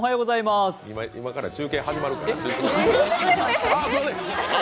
今から中継始まるからああっ！